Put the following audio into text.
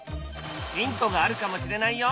ヒントがあるかもしれないよ。